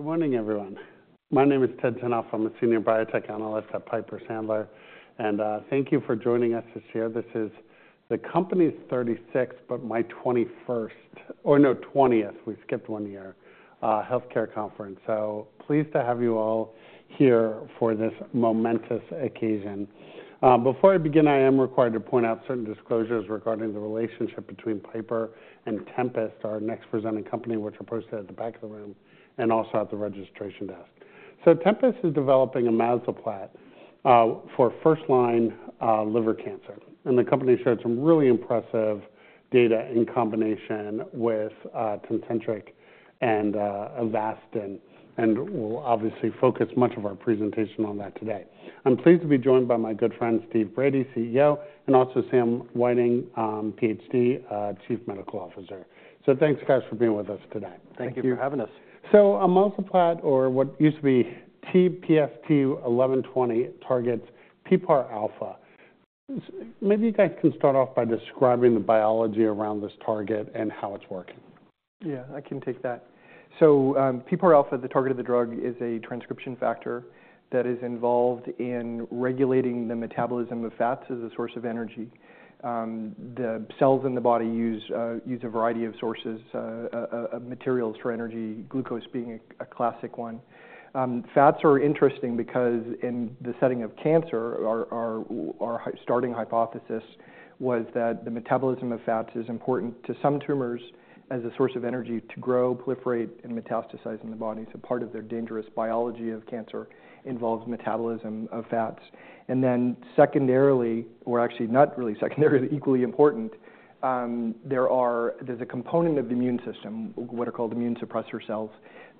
Good morning, everyone. My name is Ted Tenthoff. I'm a Senior Biotech Analyst at Piper Sandler, and thank you for joining us this year. This is the company's 36th, but my 21st, or no, 20th, we skipped one year, Healthcare Conference, so pleased to have you all here for this momentous occasion. Before I begin, I am required to point out certain disclosures regarding the relationship between Piper and Tempest, our next presenting company, which I posted at the back of the room and also at the registration desk, so Tempest is developing amezalpat for first-line liver cancer, and the company shared some really impressive data in combination with Tecentriq and Avastin, and we'll obviously focus much of our presentation on that today. I'm pleased to be joined by my good friend, Steve Brady, CEO, and also Sam Whiting, PhD, Chief Medical Officer, so thanks, guys, for being with us today. Thank you for having us. Amezalpat, or what used to be TPST-1120, targets PPAR-alpha. Maybe you guys can start off by describing the biology around this target and how it's working. Yeah, I can take that. So PPAR-alpha, the target of the drug, is a transcription factor that is involved in regulating the metabolism of fats as a source of energy. The cells in the body use a variety of sources of materials for energy, glucose being a classic one. Fats are interesting because, in the setting of cancer, our starting hypothesis was that the metabolism of fats is important to some tumors as a source of energy to grow, proliferate, and metastasize in the body. So part of their dangerous biology of cancer involves metabolism of fats. And then secondarily, or actually not really secondarily, equally important, there's a component of the immune system, what are called immune suppressor cells,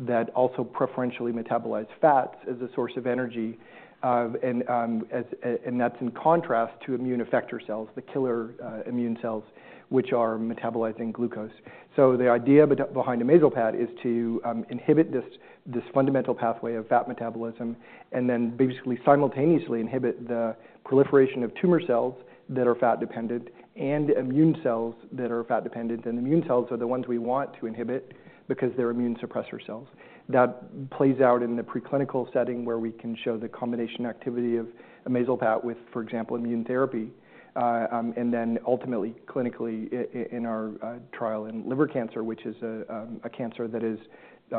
that also preferentially metabolize fats as a source of energy. And that's in contrast to immune effector cells, the killer immune cells, which are metabolizing glucose. The idea behind amezalpat is to inhibit this fundamental pathway of fat metabolism and then basically simultaneously inhibit the proliferation of tumor cells that are fat dependent and immune cells that are fat dependent. And the immune cells are the ones we want to inhibit because they're immune suppressor cells. That plays out in the preclinical setting where we can show the combination activity of amezalpat with, for example, immune therapy. And then ultimately, clinically, in our trial in liver cancer, which is a cancer that is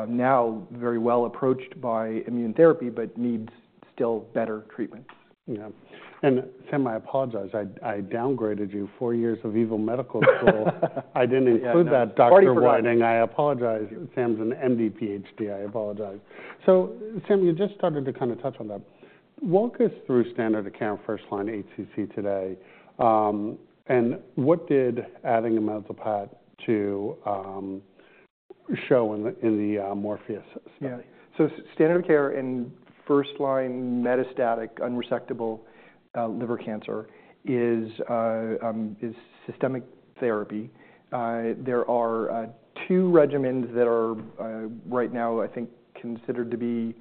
now very well approached by immune therapy but needs still better treatments. Yeah, and Sam, I apologize. I downplayed your four years of med school. I didn't include that, Dr. Whiting. I apologize. Sam's an MD, PhD. I apologize. So Sam, you just started to kind of touch on that. Walk us through standard of care first-line HCC today. And what did adding amezalpat show in the MORPHEUS-Liver study? Standard of care in first-line metastatic, unresectable liver cancer is systemic therapy. There are two regimens that are right now, I think, considered to be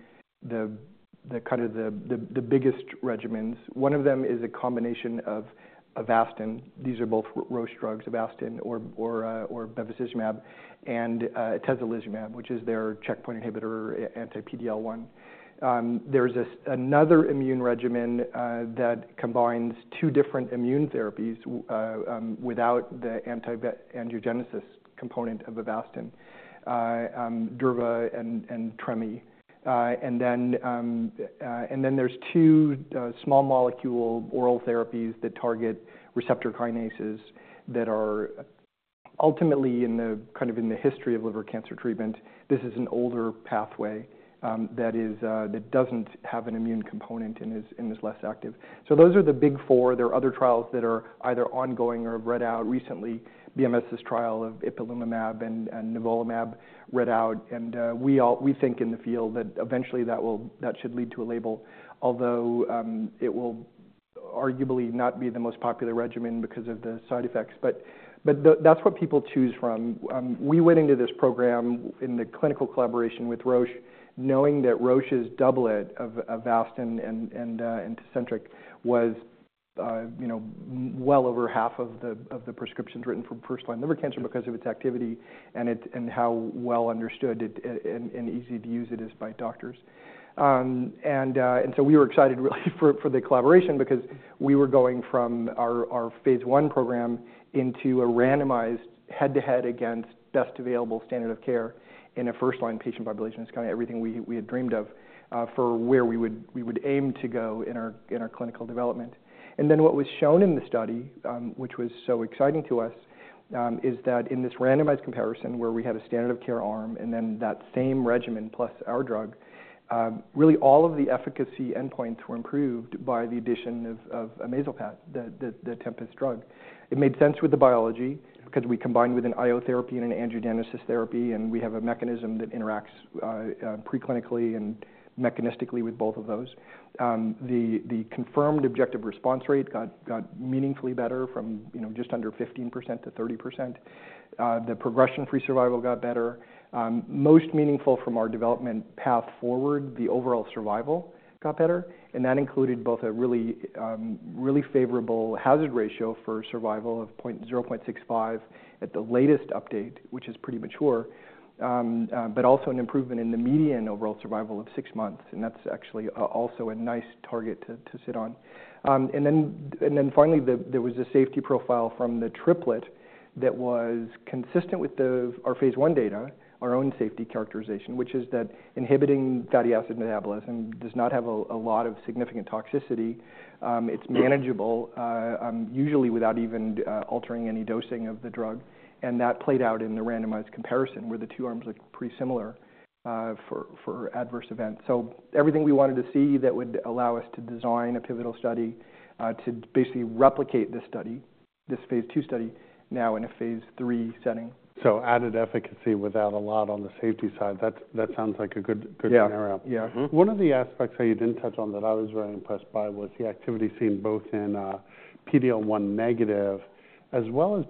kind of the biggest regimens. One of them is a combination of Avastin. These are both Roche drugs, Avastin or bevacizumab, and atezolizumab, which is their checkpoint inhibitor anti-PD-L1. There's another immune regimen that combines two different immune therapies without the anti-angiogenesis component of Avastin, durvalumab and tremelimumab. And then there's two small molecule oral therapies that target receptor kinases that are ultimately in the kind of history of liver cancer treatment. This is an older pathway that doesn't have an immune component and is less active. So those are the big four. There are other trials that are either ongoing or have read out recently. BMS's trial of ipilimumab and nivolumab read out. And we think in the field that eventually that should lead to a label, although it will arguably not be the most popular regimen because of the side effects. But that's what people choose from. We went into this program in the clinical collaboration with Roche, knowing that Roche's doublet of Avastin and Tecentriq was well over half of the prescriptions written for first-line liver cancer because of its activity and how well understood and easy to use it is by doctors. And so we were excited, really, for the collaboration because we were going from our Phase I program into a randomized head-to-head against best available standard of care in a first-line patient population, is kind of everything we had dreamed of for where we would aim to go in our clinical development. What was shown in the study, which was so exciting to us, is that in this randomized comparison where we had a standard of care arm and then that same regimen plus our drug, really all of the efficacy endpoints were improved by the addition of amezalpat, the Tempest drug. It made sense with the biology because we combined with an IO therapy and an angiogenesis therapy, and we have a mechanism that interacts preclinically and mechanistically with both of those. The confirmed objective response rate got meaningfully better from just under 15% to 30%. The progression-free survival got better. Most meaningful from our development path forward, the overall survival got better. And that included both a really favorable hazard ratio for survival of 0.65 at the latest update, which is pretty mature, but also an improvement in the median overall survival of six months. And that's actually also a nice target to sit on. And then finally, there was a safety profile from the triplet that was consistent with our Phase I data, our own safety characterization, which is that inhibiting fatty acid metabolism does not have a lot of significant toxicity. It's manageable, usually without even altering any dosing of the drug. And that played out in the randomized comparison where the two arms looked pretty similar for adverse events. So everything we wanted to see that would allow us to design a pivotal study to basically replicate this study, this Phase II study, now in a Phase III setting. So added efficacy without a lot on the safety side. That sounds like a good scenario. Yeah. One of the aspects that you didn't touch on that I was very impressed by was the activity seen both in PD-L1 negative as well as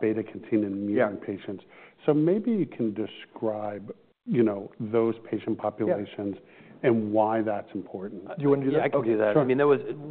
beta-catenin immune patients. So maybe you can describe those patient populations and why that's important. Do you want to do that? I can do that. I mean,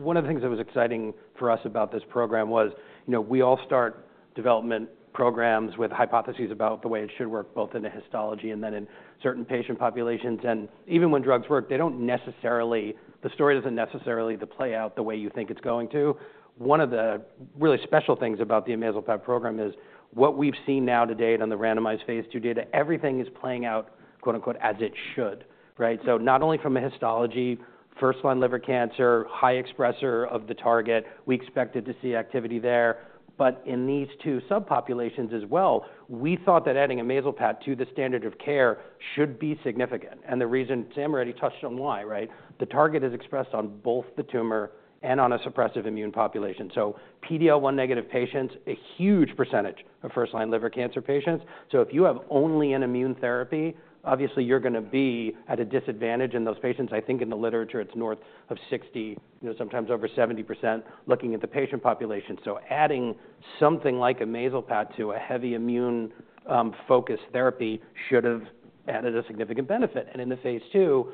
one of the things that was exciting for us about this program was we all start development programs with hypotheses about the way it should work, both in the histology and then in certain patient populations. And even when drugs work, they don't necessarily, the story doesn't necessarily play out the way you think it's going to. One of the really special things about the amezalpat program is what we've seen now to date on the randomized Phase II data, everything is playing out, quote unquote, "as it should." Right? So not only from a histology, first-line liver cancer, high expressor of the target, we expected to see activity there. But in these two subpopulations as well, we thought that adding amezalpat to the standard of care should be significant. And the reason Sam already touched on why, right? The target is expressed on both the tumor and on a suppressive immune population. So PD-L1 negative patients, a huge percentage of first-line liver cancer patients. So if you have only an immune therapy, obviously you're going to be at a disadvantage in those patients. I think in the literature it's north of 60%, sometimes over 70% looking at the patient population. So adding something like amezalpat to a heavy immune-focused therapy should have added a significant benefit. And in the Phase II,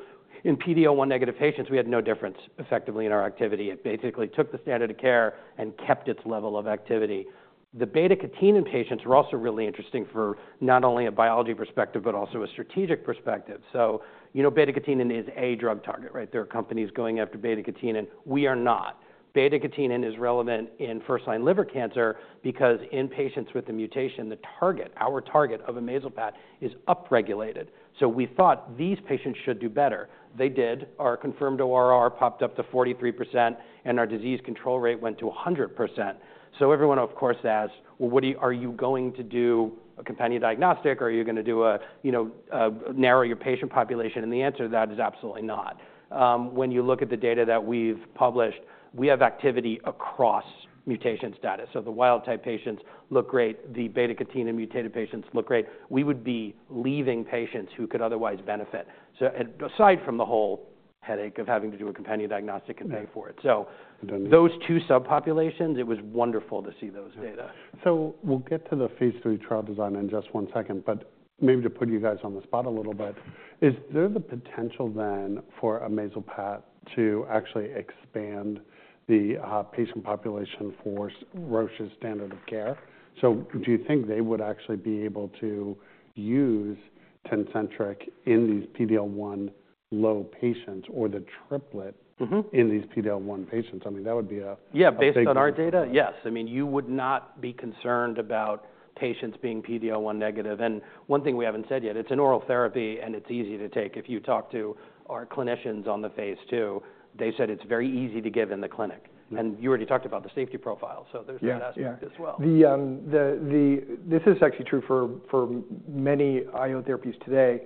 in PD-L1 negative patients, we had no difference effectively in our activity. It basically took the standard of care and kept its level of activity. The beta-catenin patients were also really interesting for not only a biology perspective, but also a strategic perspective. So beta-catenin is a drug target, right? There are companies going after beta-catenin. We are not. Beta-catenin is relevant in first-line liver cancer because in patients with the mutation, the target, our target of amezalpat is upregulated. So we thought these patients should do better. They did. Our confirmed ORR popped up to 43%, and our disease control rate went to 100%. So everyone, of course, asked, well, are you going to do a companion diagnostic? Are you going to narrow your patient population? And the answer to that is absolutely not. When you look at the data that we've published, we have activity across mutation status. So the wild-type patients look great. The beta-catenin mutated patients look great. We would be leaving patients who could otherwise benefit, aside from the whole headache of having to do a companion diagnostic and pay for it. So those two subpopulations, it was wonderful to see those data. So we'll get to the Phase III trial design in just one second. But maybe to put you guys on the spot a little bit, is there the potential then for amezalpat to actually expand the patient population for Roche's standard of care? So do you think they would actually be able to use Tecentriq in these PD-L1 low patients or the triplet in these PD-L1 patients? I mean, that would be a. Yeah, based on our data, yes. I mean, you would not be concerned about patients being PD-L1 negative. And one thing we haven't said yet, it's an oral therapy, and it's easy to take. If you talk to our clinicians on the Phase II, they said it's very easy to give in the clinic. And you already talked about the safety profile. So there's that aspect as well. This is actually true for many IO therapies today.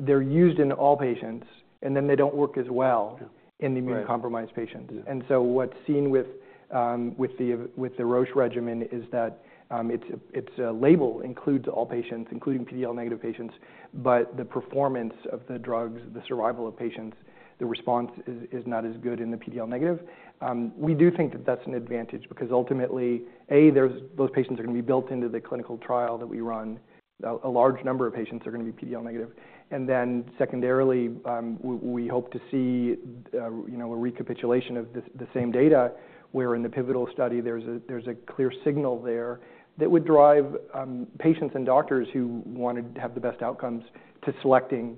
They're used in all patients, and then they don't work as well in the immunocompromised patients. And so what's seen with the Roche regimen is that its label includes all patients, including PD-L1 negative patients. But the performance of the drugs, the survival of patients, the response is not as good in the PD-L1 negative. We do think that that's an advantage because ultimately, those patients are going to be built into the clinical trial that we run. A large number of patients are going to be PD-L1 negative. And then secondarily, we hope to see a recapitulation of the same data where in the pivotal study there's a clear signal there that would drive patients and doctors who wanted to have the best outcomes to selecting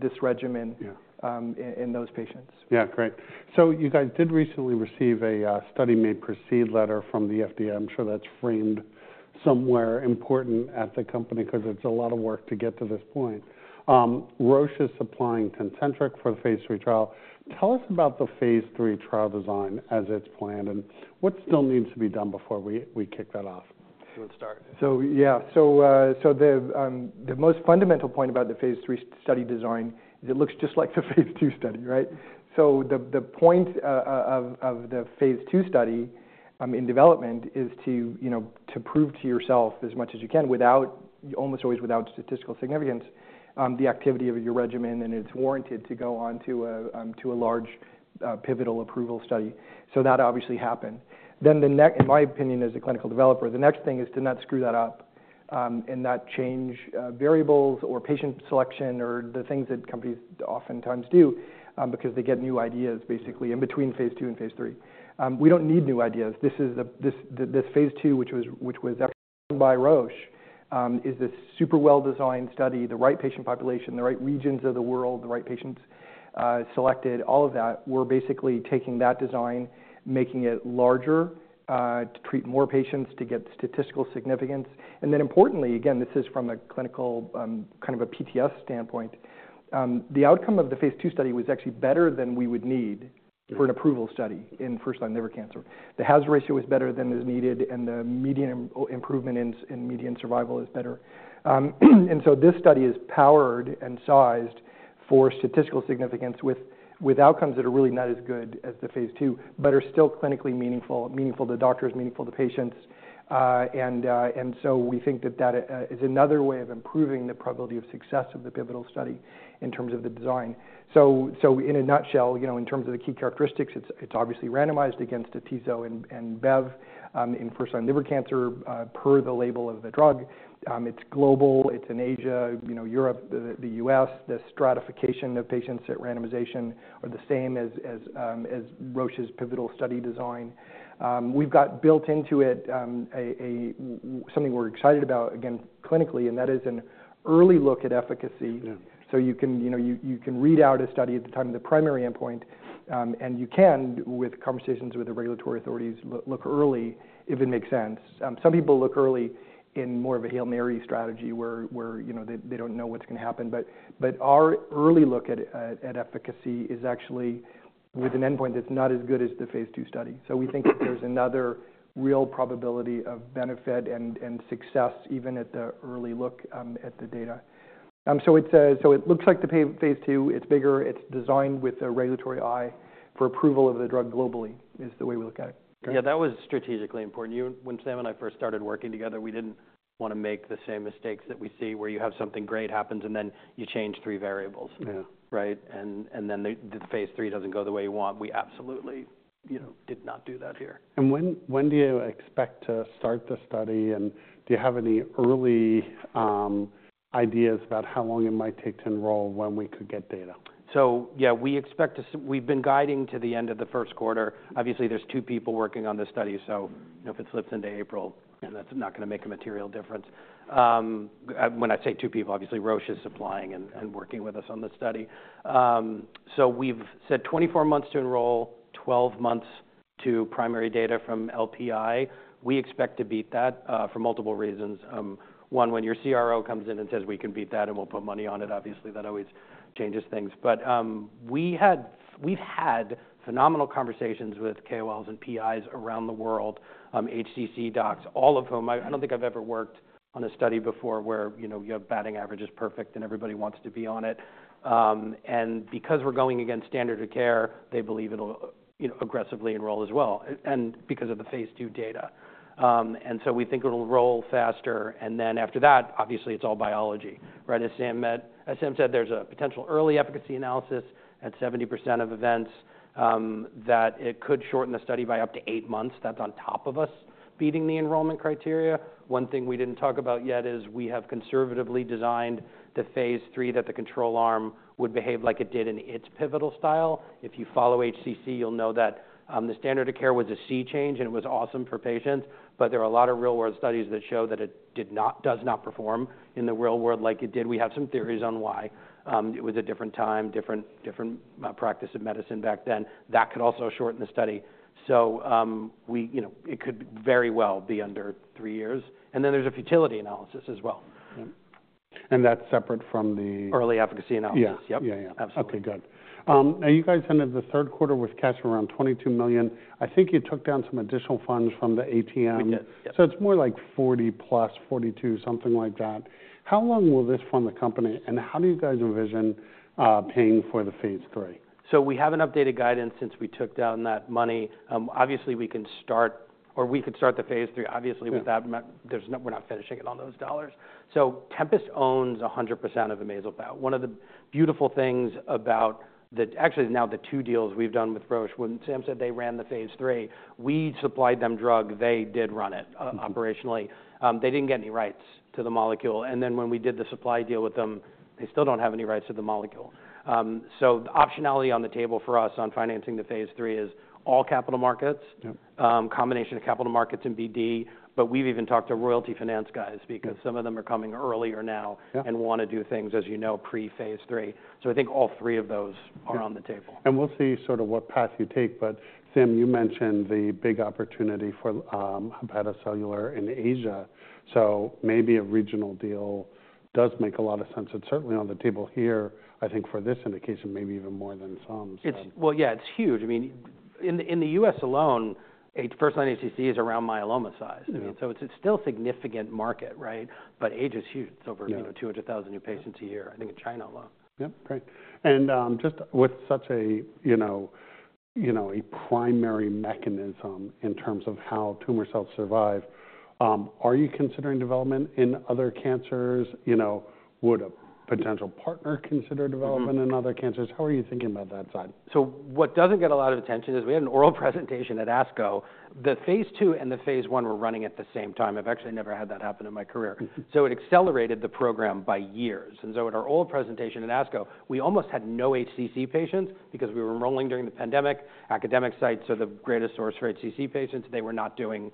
this regimen in those patients. Yeah, great. So you guys did recently receive a study may proceed letter from the FDA. I'm sure that's framed somewhere important at the company because it's a lot of work to get to this point. Roche is supplying Tecentriq for the phase three trial. Tell us about the phase three trial design as it's planned and what still needs to be done before we kick that off. Let's start. So yeah. So the most fundamental point about the Phase III study design is it looks just like the Phase II study, right? So the point of the Phase II study in development is to prove to yourself as much as you can, almost always without statistical significance, the activity of your regimen, and it's warranted to go on to a large pivotal approval study. So that obviously happened. Then the next, in my opinion, as a clinical developer, the next thing is to not screw that up and not change variables or patient selection or the things that companies oftentimes do because they get new ideas basically in between Phase II and Phase III. We don't need new ideas. This Phase II, which was by Roche, is this super well-designed study, the right patient population, the right regions of the world, the right patients selected, all of that. We're basically taking that design, making it larger to treat more patients to get statistical significance. And then importantly, again, this is from a clinical kind of a PTS standpoint. The outcome of the Phase II study was actually better than we would need for an approval study in first-line liver cancer. The hazard ratio is better than is needed, and the median improvement in median survival is better. And so this study is powered and sized for statistical significance with outcomes that are really not as good as the Phase II, but are still clinically meaningful, meaningful to doctors, meaningful to patients. And so we think that that is another way of improving the probability of success of the pivotal study in terms of the design. In a nutshell, in terms of the key characteristics, it's obviously randomized against the Tecentriq and Avastin in first-line liver cancer per the label of the drug. It's global. It's in Asia, Europe, the U.S. The stratification of patients at randomization are the same as Roche's pivotal study design. We've got built into it something we're excited about, again, clinically, and that is an early look at efficacy. You can read out a study at the time of the primary endpoint, and you can, with conversations with the regulatory authorities, look early if it makes sense. Some people look early in more of a Hail Mary strategy where they don't know what's going to happen. Our early look at efficacy is actually with an endpoint that's not as good as the Phase II study. So we think that there's another real probability of benefit and success even at the early look at the data. So it looks like the Phase II. It's bigger. It's designed with a regulatory eye for approval of the drug globally, is the way we look at it. Yeah, that was strategically important. When Sam and I first started working together, we didn't want to make the same mistakes that we see where you have something great happens and then you change three variables. Right, and then the Phase III doesn't go the way you want. We absolutely did not do that here. And when do you expect to start the study? And do you have any early ideas about how long it might take to enroll when we could get data? So yeah, we expect. We've been guiding to the end of the first quarter. Obviously, there's two people working on this study. So if it slips into April, that's not going to make a material difference. When I say two people, obviously, Roche is supplying and working with us on this study. So we've said 24 months to enroll, 12 months to primary data from LPI. We expect to beat that for multiple reasons. One, when your CRO comes in and says, "We can beat that and we'll put money on it," obviously, that always changes things. But we've had phenomenal conversations with KOLs and PIs around the world, HCC docs, all of whom I don't think I've ever worked on a study before where you have batting averages perfect and everybody wants to be on it. And because we're going against standard of care, they believe it'll aggressively enroll as well because of the Phase II data. And so we think it'll enroll faster. And then after that, obviously, it's all biology. Right? As Sam said, there's a potential early efficacy analysis at 70% of events that it could shorten the study by up to eight months. That's on top of us beating the enrollment criteria. One thing we didn't talk about yet is we have conservatively designed the Phase III that the control arm would behave like it did in its pivotal trial. If you follow HCC, you'll know that the standard of care was a sea change, and it was awesome for patients. But there are a lot of real-world studies that show that it does not perform in the real world like it did. We have some theories on why. It was a different time, different practice of medicine back then. That could also shorten the study, so it could very well be under three years, and then there's a futility analysis as well. And that's separate from the. Early efficacy analysis. Yep. Yeah, yeah. Okay, good. Now you guys ended the third quarter with cash around $22 million. I think you took down some additional funds from the ATM. So it's more like $40 plus, $42, something like that. How long will this fund the company? And how do you guys envision paying for the Phase III? We have an updated guidance since we took down that money. Obviously, we can start or we could start the Phase III, obviously, with that. We're not finishing it on those dollars. Tempest owns 100% of the amezalpat. One of the beautiful things about the, actually, now the two deals we've done with Roche, when Sam said they ran the Phase III, we supplied them drug, they did run it operationally. They didn't get any rights to the molecule and then when we did the supply deal with them, they still don't have any rights to the molecule. The optionality on the table for us on financing the Phase III is all capital markets, combination of capital markets and BD. But we've even talked to royalty finance guys because some of them are coming earlier now and want to do things, as you know, pre-Phase III. I think all three of those are on the table. And we'll see sort of what path you take. But Sam, you mentioned the big opportunity for hepatocellular in Asia. So maybe a regional deal does make a lot of sense. It's certainly on the table here, I think, for this indication, maybe even more than some. Yeah, it's huge. I mean, in the U.S. alone, first-line HCC is around myeloma size. I mean, so it's still a significant market, right? But Asia is huge. It's over 200,000 new patients a year, I think, in China alone. Yep, great. And just with such a primary mechanism in terms of how tumor cells survive, are you considering development in other cancers? Would a potential partner consider development in other cancers? How are you thinking about that side? What doesn't get a lot of attention is we had an oral presentation at ASCO. The Phase I and the Phase II were running at the same time. I've actually never had that happen in my career. So it accelerated the program by years. And so at our oral presentation at ASCO, we almost had no HCC patients because we were enrolling during the pandemic. Academic sites are the greatest source for HCC patients. They were not doing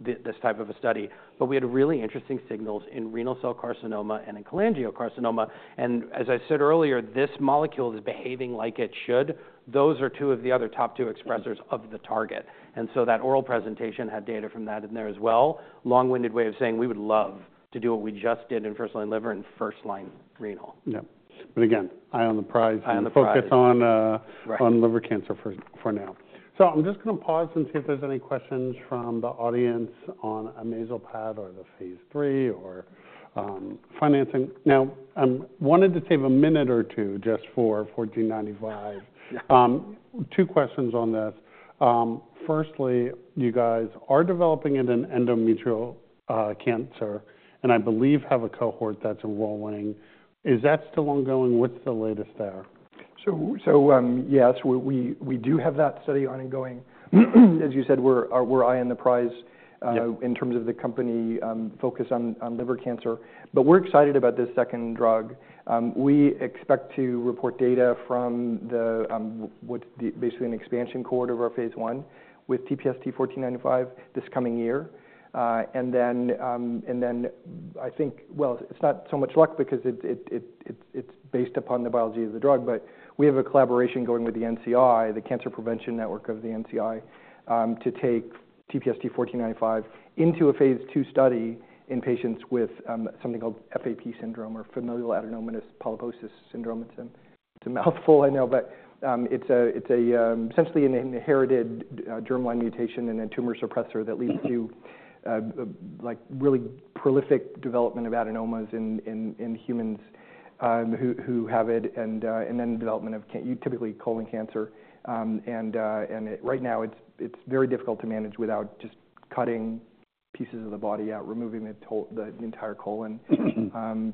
this type of a study. But we had really interesting signals in renal cell carcinoma and in cholangiocarcinoma. And as I said earlier, this molecule is behaving like it should. Those are two of the other top two expressors of the target. And so that oral presentation had data from that in there as well. Long-winded way of saying we would love to do what we just did in first-line liver and first-line renal. Yeah. But again, eye on the prize. Focus on liver cancer for now. So I'm just going to pause and see if there's any questions from the audience on amezalpat or the Phase III or financing. Now, I wanted to save a minute or two just for 1495. Two questions on this. Firstly, you guys are developing in an endometrial cancer and I believe have a cohort that's enrolling. Is that still ongoing? What's the latest there? So yes, we do have that study ongoing. As you said, we're eyeing the prize in terms of the company focus on liver cancer. But we're excited about this second drug. We expect to report data from basically an expansion cohort of our Phase I with TPST-1495 this coming year. And then I think, well, it's not so much luck because it's based upon the biology of the drug. But we have a collaboration going with the NCI, the Cancer Prevention Network of the NCI, to take TPST-1495 into a Phase II study in patients with something called FAP syndrome or familial adenomatous polyposis syndrome. It's a mouthful, I know, but it's essentially an inherited germline mutation and a tumor suppressor that leads to really prolific development of adenomas in humans who have it and then development of typically colon cancer. Right now, it's very difficult to manage without just cutting pieces of the body out, removing the entire colon,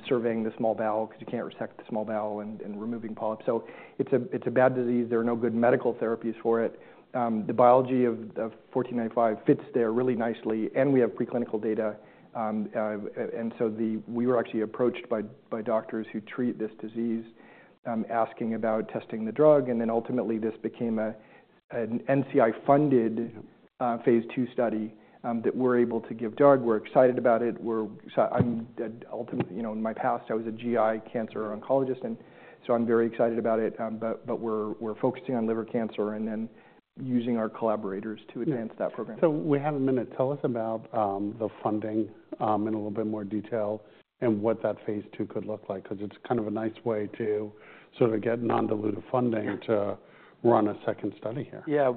surveying the small bowel because you can't resect the small bowel and removing polyps. It's a bad disease. There are no good medical therapies for it. The biology of 1495 fits there really nicely. We have preclinical data. We were actually approached by doctors who treat this disease asking about testing the drug. Ultimately, this became an NCI-funded Phase II study that we're able to give drug. We're excited about it. In my past, I was a GI cancer oncologist, and so I'm very excited about it. We're focusing on liver cancer and then using our collaborators to advance that program. We have a minute. Tell us about the funding in a little bit more detail and what that Phase II could look like because it's kind of a nice way to sort of get non-dilutive funding to run a second study here. Yeah.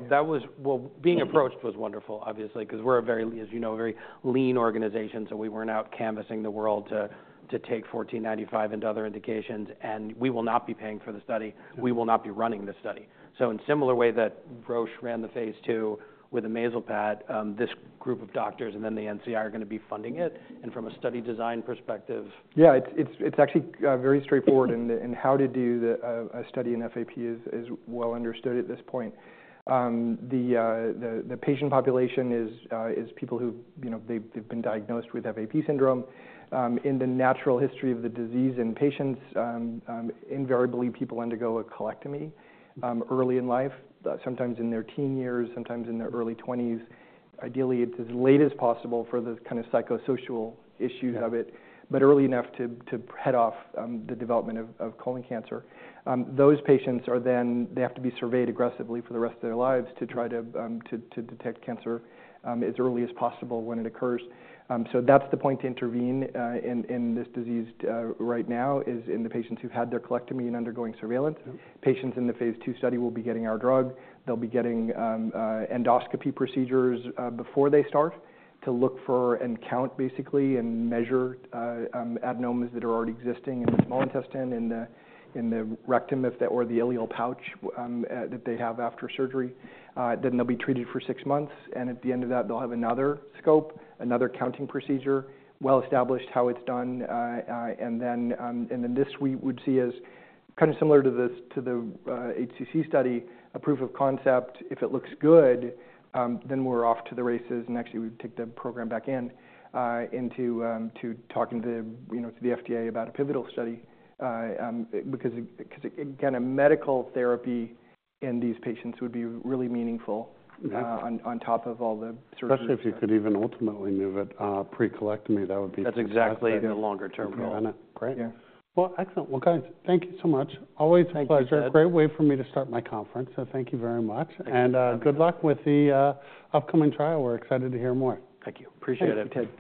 Well, being approached was wonderful, obviously, because we're a very, as you know, very lean organization. So we weren't out canvassing the world to take 1495 into other indications. And we will not be paying for the study. We will not be running the study. So in a similar way that Roche ran the Phase II with amezalpat, this group of doctors and then the NCI are going to be funding it. And from a study design perspective. Yeah, it's actually very straightforward, and how to do a study in FAP is well understood at this point. The patient population is people who they've been diagnosed with FAP syndrome. In the natural history of the disease in patients, invariably people undergo a colectomy early in life, sometimes in their teen years, sometimes in their early 20s. Ideally, it's as late as possible for the kind of psychosocial issues of it, but early enough to head off the development of colon cancer. Those patients are then they have to be surveyed aggressively for the rest of their lives to try to detect cancer as early as possible when it occurs, so that's the point to intervene in this disease right now is in the patients who've had their colectomy and undergoing surveillance. Patients in the Phase II study will be getting our drug. They'll be getting endoscopy procedures before they start to look for and count basically and measure adenomas that are already existing in the small intestine, in the rectum, or the ileal pouch that they have after surgery. Then they'll be treated for six months. And at the end of that, they'll have another scope, another counting procedure, well-established how it's done. And then this we would see as kind of similar to the HCC study, a proof of concept. If it looks good, then we're off to the races. And actually, we would take the program back into talking to the FDA about a pivotal study because again, a medical therapy in these patients would be really meaningful on top of all the surgery. Especially if you could even ultimately move it pre-colectomy. That would be too exciting. That's exactly the longer-term goal. Great. Well, excellent. Well, guys, thank you so much. Always a pleasure. Great way for me to start my conference, so thank you very much, and good luck with the upcoming trial. We're excited to hear more. Thank you. Appreciate it.